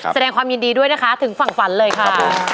แสดงความยินดีด้วยนะคะถึงฝั่งฝันเลยค่ะ